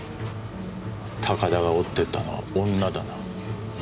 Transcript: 高田が追ってったのは女だな。